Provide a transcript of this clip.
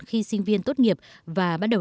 khi sinh viên tốt nghiệp và bắt đầu